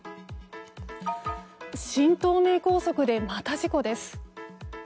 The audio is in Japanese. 新東名高速でまた事故です。